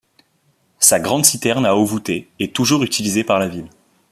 Sa grande citerne à eau voûtée est toujours utilisée par la ville.